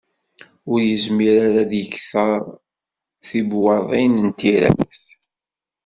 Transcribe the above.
Ur yezmir ara ad d-yekter tibwaḍin n tirawt.